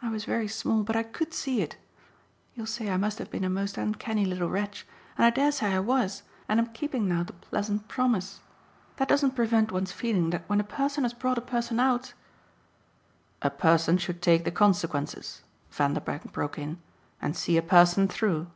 I was very small, but I COULD see it. You'll say I must have been a most uncanny little wretch, and I dare say I was and am keeping now the pleasant promise. That doesn't prevent one's feeling that when a person has brought a person out " "A person should take the consequences," Vanderbank broke in, "and see a person through?"